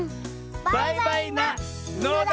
バイバイなのだ！